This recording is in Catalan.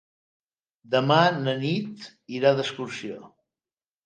Demà na Nit irà d'excursió.